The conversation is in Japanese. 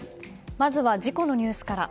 まずは事故のニュースから。